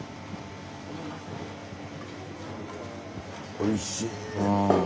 おいしい。